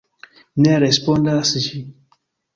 Ne respondas ĝi.